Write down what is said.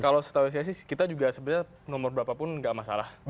kalau setahu saya sih kita juga sebenarnya nomor berapa pun nggak masalah